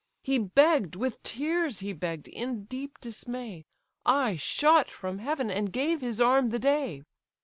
He begg'd, with tears he begg'd, in deep dismay; I shot from heaven, and gave his arm the day.